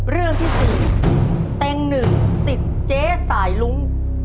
เรื่องที่๔เต็ง๑สิทธิ์เจ๊สายลุ้ง